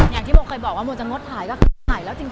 อย่างที่โมเค้าเคยบอกว่าโมนจากงสถานก็ถายแล้วจริง